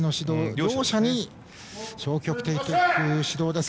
両者に消極的指導です。